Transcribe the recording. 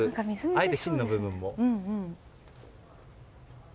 あえて、芯の部分を。